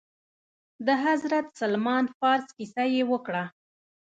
د حضرت سلمان فارس كيسه يې وكړه.